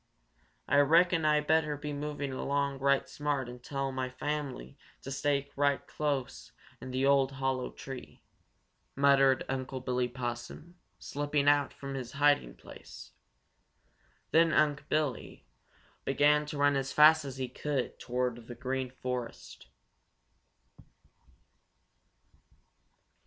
Ah reckon Ah better be moving along right smart and tell mah family to stay right close in the ol' hollow tree," muttered Unc' Billy Possum, slipping out from his hiding place. Then Unc' Billy began to run as fast as he could toward the Green Forest.